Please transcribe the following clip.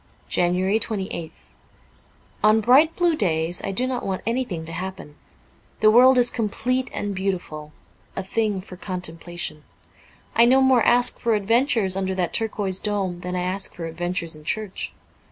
28 JANUARY 28th ON bright blue days I do not want anything to happen ; the world is complete and beautiful — a thing for contemplation. I no more ask for adventures under that turquoise dome than I ask for adventures in church.